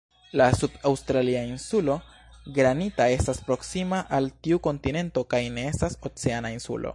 La sud-aŭstralia Insulo Granita estas proksima al tiu kontinento kaj ne estas "oceana" insulo.